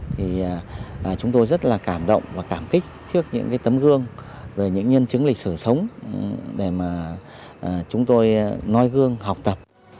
thì chúng tôi rất là cảm động và cảm kích trước những cái tấm gương về những nhân chứng lịch sử sống để mà chúng tôi nói gương học tập